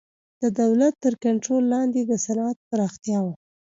د دولت تر کنټرول لاندې د صنعت پراختیا و.